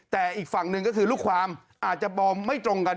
แต่อีกฝั่งหนึ่งก็คือลูกความอาจจะมองไม่ตรงกัน